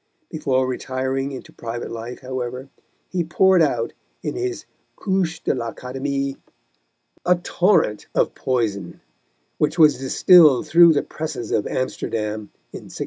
Before retiring into private life, however, he poured out in his Couches de l'Académie a torrent of poison, which was distilled through the presses of Amsterdam in 1687.